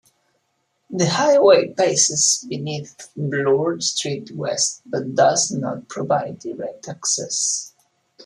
The highway passes beneath Bloor Street West but does not provide direct access.